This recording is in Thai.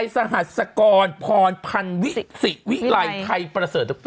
สหัสกรพภัณฑฟิษวิรัยไทยเปรอเสิร์ท